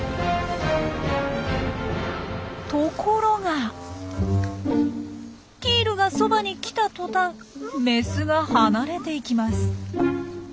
ところがキールがそばに来た途端メスが離れていきます。